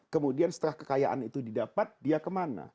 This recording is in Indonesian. kemudian setelah kekayaan itu didapat dia kemana